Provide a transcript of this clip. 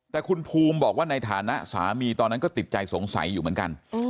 แต่คุณภูมิบอกว่าในฐานะสามีตอนนั้นก็ติดใจสงสัยอยู่เหมือนกัน